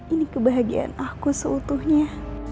ini kebahagiaan aku seutuhnya